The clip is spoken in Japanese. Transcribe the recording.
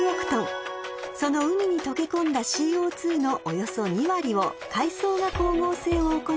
［その海に溶け込んだＣＯ２のおよそ２割を海藻が光合成を行い吸収しています］